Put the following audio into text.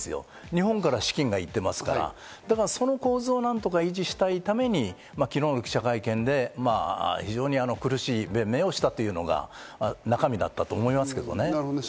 日本から資金が行ってますから、その構図を何とか維持したいがために昨日の記者会見で非常に苦しい弁明をしたというのが中身だったと思いますけどね。